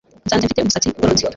Nsanze mfite umusatsi ugororotse